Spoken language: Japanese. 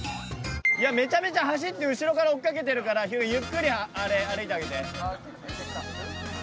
めちゃめちゃ走って後ろから追っ掛けてるからゆっくり歩いてあげて。